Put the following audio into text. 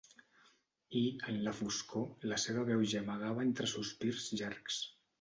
I, en la foscor, la seva veu gemegava entre sospirs llargs.